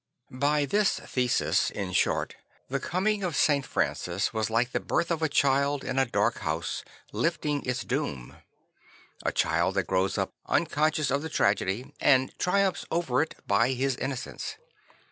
By this thesis, in short, the coming of St. Francis was like the birth of a child in a dark house, lifting its doom; a child that grows up unconscious of the tragedy and triumphs over it by his innocence.